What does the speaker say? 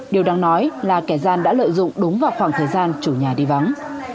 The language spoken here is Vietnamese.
điều đáng nói là kẻ gian đã lợi dụng đúng vào khoảng thời gian chủ nhà đi vắng